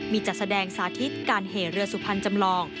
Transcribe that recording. มีจัดแสดงสาธิตการเหเรือสุพรรณจำลอง